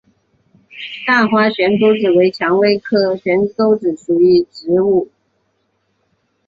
大花悬钩子为蔷薇科悬钩子属的植物。